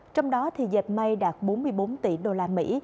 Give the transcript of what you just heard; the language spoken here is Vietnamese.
trong đó dẹp may đạt bốn mươi bốn tỷ đô la mỹ